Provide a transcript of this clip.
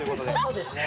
そうですね。